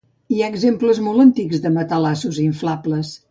Hi ha exemples molt antics de matalassos inflables.